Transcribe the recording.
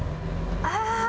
ああ。